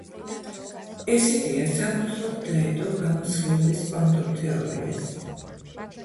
ეს იდეა საფუძვლად დაედო გამოსხივების კვანტურ თეორიას.